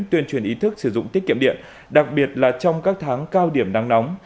tuyên truyền ý thức sử dụng tiết kiệm điện đặc biệt là trong các tháng cao điểm nắng nóng